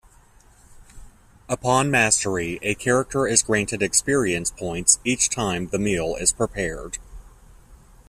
Upon mastery, a character is granted experience points each time the meal is prepared.